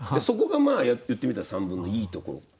そこがまあ言ってみたら散文のいいところ。